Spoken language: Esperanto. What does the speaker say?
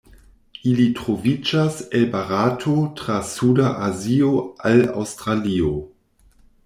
Ili troviĝas el Barato tra suda Azio al Aŭstralio.